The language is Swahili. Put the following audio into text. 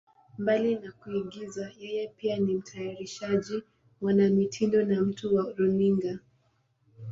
Mbali na kuigiza, yeye pia ni mtayarishaji, mwanamitindo na mtu wa runinga.